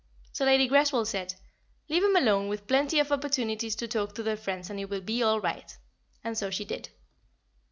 So Lady Greswold said: "Leave 'em alone with plenty of opportunities to talk to their friends, and it will be all right." And so she did.